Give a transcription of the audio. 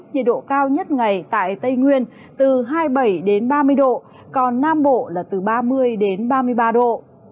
nhiệt độ cao nhất ngày tại tây nguyên từ hai mươi bảy ba mươi độ còn nam bộ là từ ba mươi đến ba mươi ba độ